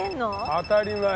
当たり前。